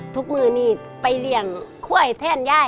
ทุกมือนี้ไปเรียงข้วยแท่นย่าย